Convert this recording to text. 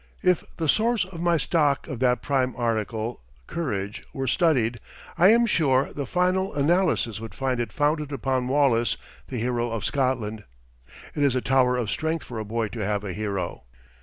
If the source of my stock of that prime article courage were studied, I am sure the final analysis would find it founded upon Wallace, the hero of Scotland. It is a tower of strength for a boy to have a hero.